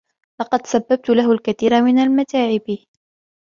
لقد سببت له الكثير من المتاعب.